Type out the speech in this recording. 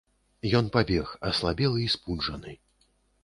Ён пабег, аслабелы і спуджаны.